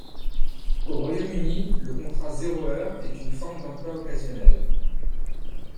Au Royaume Uni, le contrat zéro heure est une forme d'emploi occasionnel.